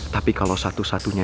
tapi kalau satu satunya